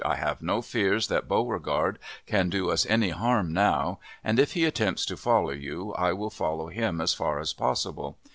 I have no fears that Beauregard can do us any harm now, and, if he attempts to follow you, I will follow him as far as possible.